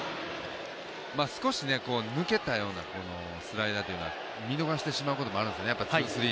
少し抜けたようなスライダーというのは見逃してしまうこともあるんですね。